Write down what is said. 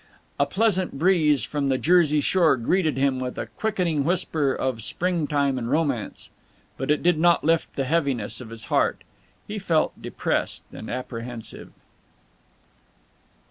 A pleasant breeze from the Jersey shore greeted him with a quickening whisper of springtime and romance, but it did not lift the heaviness of his heart. He felt depressed and apprehensive.